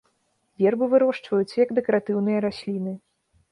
Вербы вырошчваюцца як дэкаратыўныя расліны.